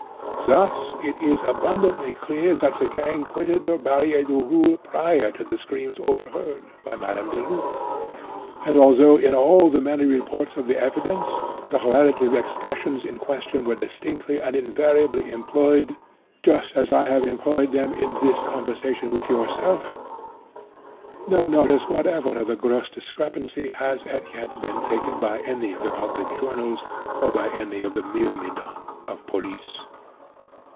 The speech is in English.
Thus it is abundantly clear that the gang quitted the Barrière du Roule prior to the screams overheard (?) by Madame Deluc. And although, in all the many reports of the evidence, the relative expressions in question are distinctly and invariably employed just as I have employed them in this conversation with yourself, no notice whatever of the gross discrepancy has, as yet, been taken by any of the public journals, or by any of the myrmidons of police.